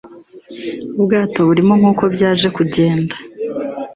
ubwato burimo nkuko byaje kugenda